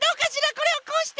これをこうして。